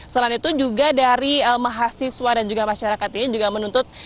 selain itu juga dari mahasiswa dan juga masyarakat ini juga menuntut